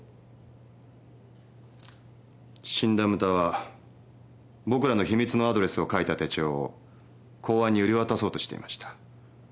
死んだ牟田は僕らの秘密のアドレスを書いた手帳を公安に売り渡そうとしていました。